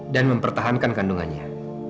dan mempertahankan kandungannya